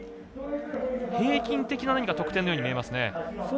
平均的な得点のように見えますね。